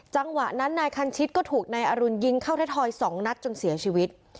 จังหวะนั้นนายคันชิตก็ถูกนายอรุณยิงเข้าไทยทอย๒นัดจนเสียชีวิต